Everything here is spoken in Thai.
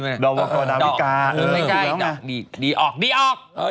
เดาว่าขอดำวิกา